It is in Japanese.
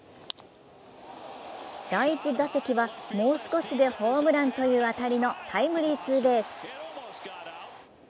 第１打席はもう少しでホームランという当たりのタイムリーツーベース。